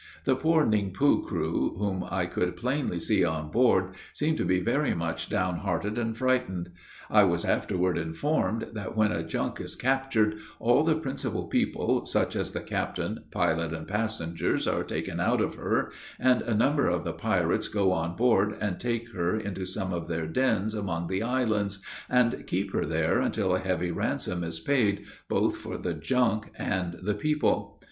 The poor Ning po crew, whom I could plainly see on board, seemed to be very much down hearted and frightened. I was afterward informed, that when a junk is captured, all the principal people, such as the captain, pilot, and passengers, are taken out of her, and a number of the pirates go on board and take her into some of their dens among the islands, and keep her there until a heavy ransom is paid, both for the junk and the people.